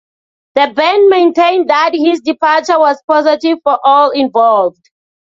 The band maintained that his departure was positive for all involved.